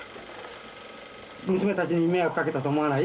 ・娘達に迷惑かけたと思わない？